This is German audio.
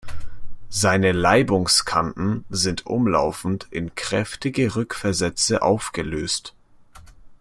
Seine Laibungskanten sind umlaufend in kräftige Rückversätze aufgelöst.